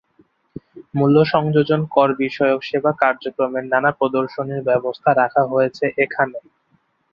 মূল্য সংযোজন করবিষয়ক সেবা কার্যক্রমের নানা প্রদর্শনীর ব্যবস্থা রাখা হয়েছে এখানে।